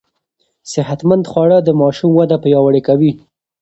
صحتمند خواړه د ماشوم وده پياوړې کوي.